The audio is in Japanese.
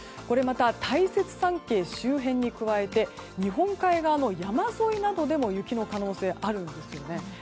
大雪山系周辺に加えて日本海側の山沿いなどでも雪の可能性があるんですよね。